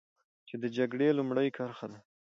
چې د جګړې لومړۍ کرښه ده.